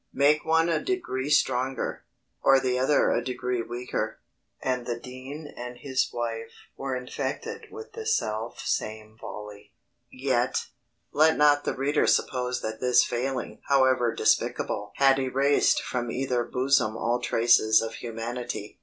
Make one a degree stronger, or the other a degree weaker, and the dean and his wife were infected with the self same folly. Yet, let not the reader suppose that this failing (however despicable) had erased from either bosom all traces of humanity.